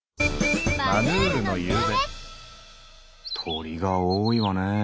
鳥が多いわねえ。